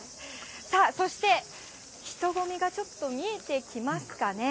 さあ、そして人混みがちょっと見えてきますかね。